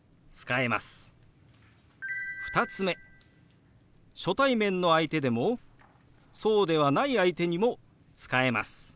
２つ目初対面の相手でもそうではない相手にも使えます。